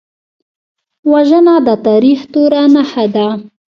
وژنه د تاریخ توره نښه ده